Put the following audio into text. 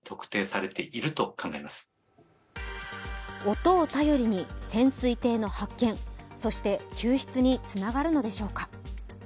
音を頼りに潜水艇の発見、そして、救出につながるのでしょうか。